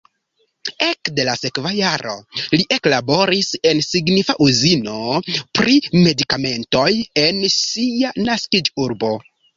Ekde la sekva jaro li eklaboris en signifa uzino pri medikamentoj en sia naskiĝurbo.